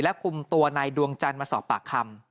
คุมตัวนายดวงจันทร์มาสอบปากคำ